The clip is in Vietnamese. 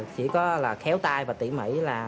chỉ có là khéo tai và tỉ mỉ là